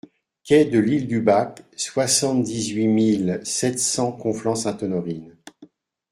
Quai de l'Île du Bac, soixante-dix-huit mille sept cents Conflans-Sainte-Honorine